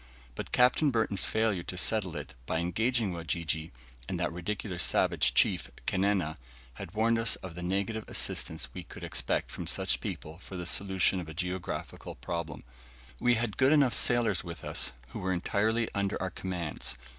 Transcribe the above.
But Capt. Burton's failure to settle it, by engaging Wajiji, and that ridiculous savage chief Kannena, had warned us of the negative assistance we could expect from such people for the solution of a geographical problem. We had enough good sailors with us, who were entirely under our commands.